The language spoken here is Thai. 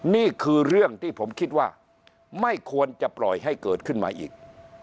นี่คือเรื่องที่ผมคิดว่าไม่ควรจะปล่อยให้เกิดขึ้นมาอีก